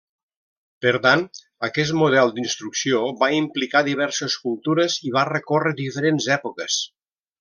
Per tant, aquest model d'instrucció va implicar diverses cultures i va recórrer diferents èpoques.